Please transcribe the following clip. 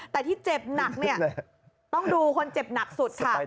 แต่ที่เจ็บหนักเนี่ยต้องดูคนเจ็บหนักสุดค่ะ